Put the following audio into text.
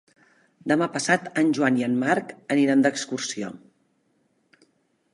Demà passat en Joan i en Marc aniran d'excursió.